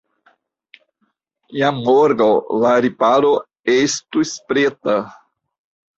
Jam morgaŭ la riparo estus preta.